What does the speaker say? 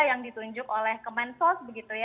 yang ditunjuk oleh kemensos